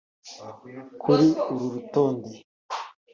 Kuri uru rutonde